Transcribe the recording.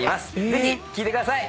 ぜひ聴いてください！